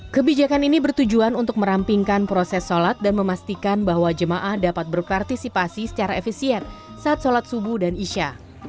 kebijakan ini bertujuan untuk merampingkan proses sholat dan memastikan bahwa jemaah dapat berpartisipasi secara efisien saat sholat subuh dan isya